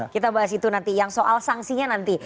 kita bahas itu nanti yang soal sanksinya nanti